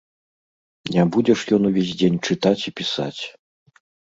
Не будзе ж ён увесь дзень чытаць і пісаць.